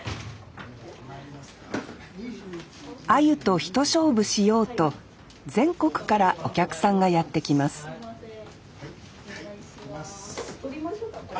アユとひと勝負しようと全国からお客さんがやって来ます取りましょうかこれ。